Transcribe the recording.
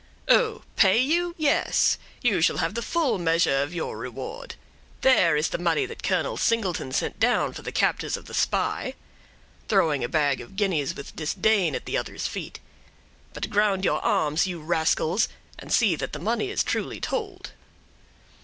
"Oh! pay you—yes, you shall have the full measure of your reward. There is the money that Colonel Singleton sent down for the captors of the spy," throwing a bag of guineas with disdain at the other's feet. "But ground your arms, you rascals, and see that the money is truly told."